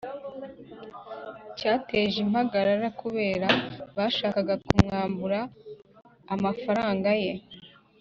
cyateje impagarara kubera bashakaga kumwambura amafaranga ye